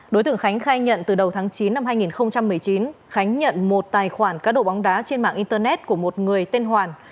đối tượng khánh khai nhận từ đầu tháng chín năm hai nghìn một mươi chín khánh nhận một tài khoản cá độ bóng đá trên mạng internet của một người tên hoàn